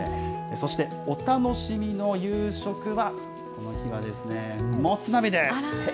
そしてお楽しみの夕食は、この日はですね、もつ鍋です。